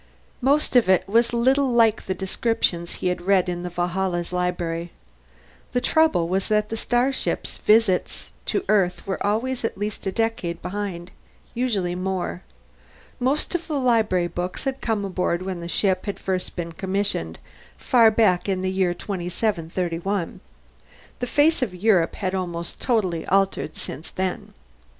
Most of it was little like the descriptions he had read in the Valhalla's library. The trouble was that the starship's visits to Earth were always at least a decade behind, usually more. Most of the library books had come aboard when the ship had first been commissioned, far back in the year 2731. The face of Europe had almost totally altered since then.